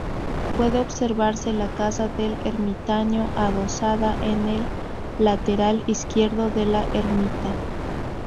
Puede observarse la casa del ermitaño adosada en el lateral izquierdo de la ermita.